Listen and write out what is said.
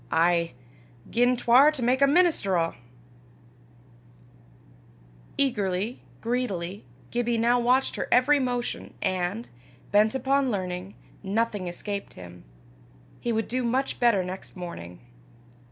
ay, gien 'twar to mak a minister o'!" Eagerly, greedily, Gibbie now watched her every motion, and, bent upon learning, nothing escaped him: he would do much better next morning!